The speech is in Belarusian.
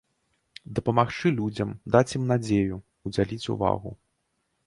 Дапамагчы людзям, даць ім надзею, удзяліць увагу.